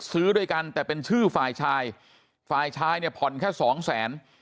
ซื้อด้วยกันแต่เป็นชื่อฝ่ายชายฝ่ายชายเนี่ยผ่อนแค่สองแสน